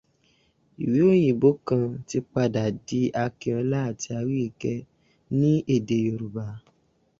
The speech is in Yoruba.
Ìwé òyinbó kan ti padà di Akinọlá àti Àríkẹ́ ní èdè Yorùbá